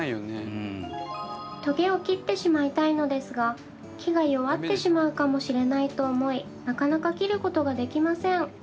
トゲを切ってしまいたいのですが木が弱ってしまうかもしれないと思いなかなか切ることができません。